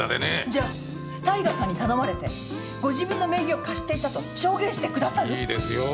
じゃあ大我さんに頼まれてご自分の名義を貸していたと証言してくださる？いいですよ。